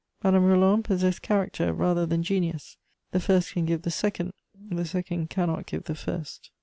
Madame Roland possessed character rather than genius: the first can give the second, the second cannot give the first.